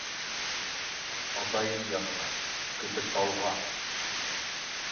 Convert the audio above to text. — Атайым янына, Көтөртауға.